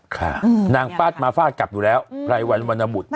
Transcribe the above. ค่ะนางฟาดมาฟาดกลับอยู่แล้วไพรวันวรรณบุตร